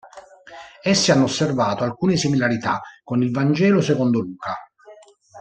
Essi hanno osservato alcune similarità con il Vangelo secondo Luca.